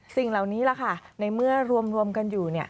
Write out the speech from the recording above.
สิ่งเหล่านี้ล่ะค่ะในเมื่อรวมกันอยู่